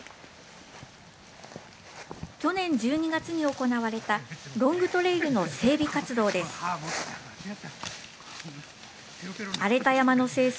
去年１２月に行われたロングトレイルの整備活動です。